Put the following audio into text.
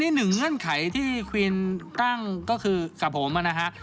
หนึ่งเงื่อนไขที่ควีนตั้งก็คือกับผมนะฮะ